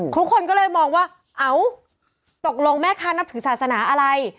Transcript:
ทุกคนก็เลยมองว่าเอ้าตกลงแม่ค้านับถือศาสนาอะไร